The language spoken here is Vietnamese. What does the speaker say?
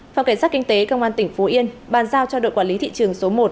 phòng cảnh sát kinh tế công an tỉnh phú yên bàn giao cho đội quản lý thị trường số một